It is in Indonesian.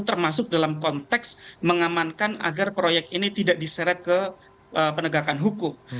termasuk dalam konteks mengamankan agar proyek ini tidak diseret ke penegakan hukum